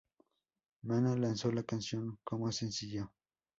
Maná lanzó la canción como sencillo.